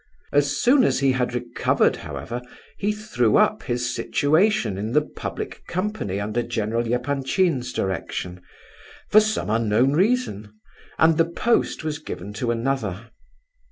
As soon as he had recovered, however, he threw up his situation in the public company under General Epanchin's direction, for some unknown reason, and the post was given to another.